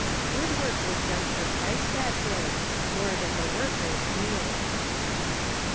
Good work was done for Christ that day, more than the workers knew.